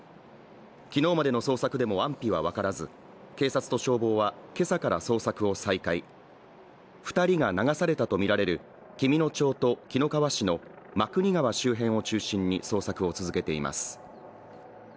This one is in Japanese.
昨日までの捜索でも安否は分からず、警察と消防は今朝から捜索を再開２人が流されたとみられる紀美野町と紀の川市の真国川周辺を中心に捜索を続けています。